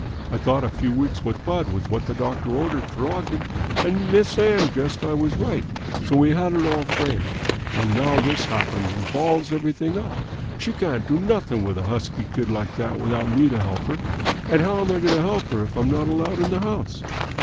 I thought a few weeks with Bud was what the doctor ordered for Ogden, and Miss Ann guessed I was right, so we had it all framed. And now this happens and balls everything up! She can't do nothing with a husky kid like that without me to help her. And how am I going to help her if I'm not allowed in the house?"